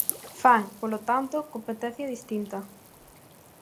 Fan, polo tanto, competencia distinta.